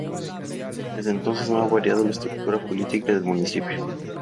Desde entonces no ha variado la estructura política del municipio.